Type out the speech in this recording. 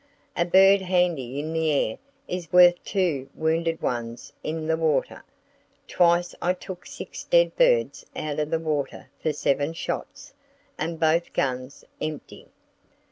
A bird handy in the air is worth two wounded ones in the water. Twice I took six dead birds out of the water for seven shots, and both guns empty.